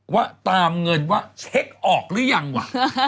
ว่าตามเงินว่าเช็คออกหรือยังว่ะ